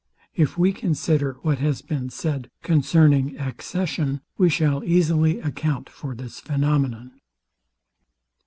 If we consider what has been said concerning accession, we shall easily account for this phænomenon.